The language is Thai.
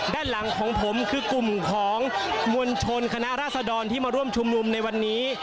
ด้านหลังของผมคือกลุ่มของมวลชนคณะราษดรที่มาร่วมชุมนุมในวันนี้